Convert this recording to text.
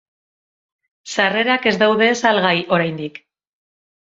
Sarrerak ez daude salgai oraindik.